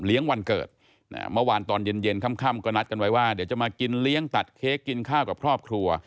วันเกิดเมื่อวานตอนเย็นเย็นค่ำก็นัดกันไว้ว่าเดี๋ยวจะมากินเลี้ยงตัดเค้กกินข้าวกับครอบครัว